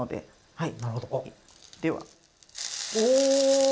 はい。